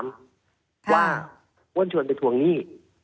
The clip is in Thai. ว่าอ้วนชวนไปทวงหนี้